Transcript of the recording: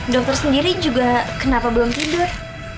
dokter sendiri juga kenapa belum tidur